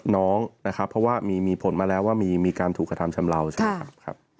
น้องนะครับเพราะว่ามีผลมาแล้วว่ามีการถูกกระทำชำเลาใช่ไหมครับ